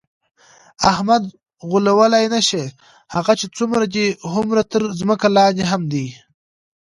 احمد غولولی نشې، هغه چې څومره دی هومره تر ځمکه لاندې هم دی.